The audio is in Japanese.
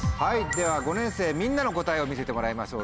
では５年生みんなの答えを見せてもらいましょう。